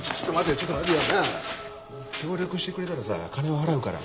ちょっと待てよ。なあ！協力してくれたらさ金を払うから。